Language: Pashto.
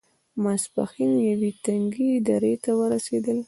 ماسپښين يوې تنګې درې ته ورسېدل.